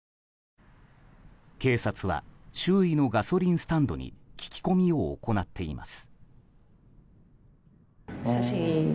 警察は周囲のガソリンスタンドに聞き込みを行っています。